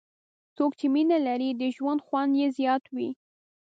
څوک چې مینه لري، د ژوند خوند یې زیات وي.